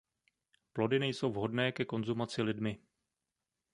Plody nejsou vhodné ke konzumaci lidmi.